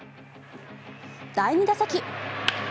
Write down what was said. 第２打席。